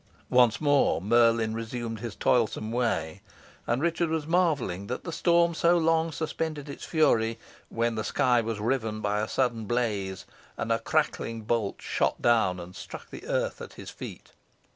Once more Merlin resumed his toilsome way, and Richard was marvelling that the storm so long suspended its fury, when the sky was riven by a sudden blaze, and a crackling bolt shot down and struck the earth at his feet.